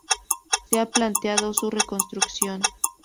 Se ha planteado su reconstrucción.